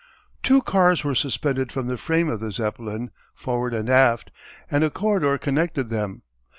Two cars were suspended from the frame of the Zeppelin, forward and aft, and a corridor connected them.